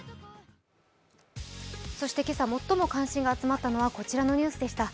そして今朝、最も関心が集まったのはこちらのニュースでした。